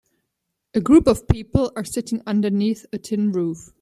A group of people are sitting underneath a tin roof.